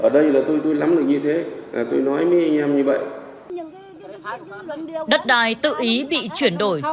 đất đai tự ý bị chuyển đổi